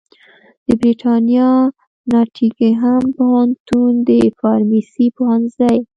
د برېتانیا ناټینګهم پوهنتون د فارمیسي پوهنځي